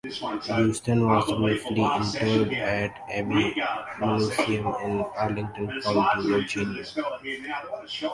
Houston was briefly interred at Abbey Mausoleum in Arlington County, Virginia.